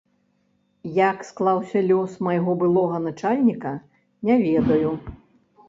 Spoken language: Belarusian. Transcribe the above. Як склаўся лёс майго былога начальніка, не ведаю.